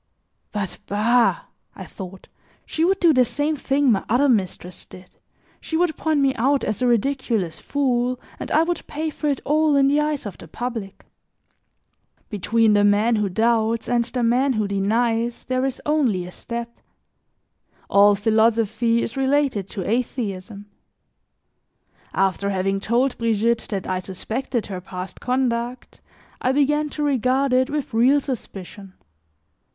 "But, bah," I thought, "she would do the same thing my other mistress did, she would point me out as a ridiculous fool, and I would pay for it all in the eyes of the public." Between the man who doubts and the man who denies, there is only a step. All philosophy is related to atheism. After having told Brigitte that I suspected her past conduct, I began to regard it with real suspicion.